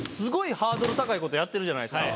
ハードル高いことやってるじゃないですか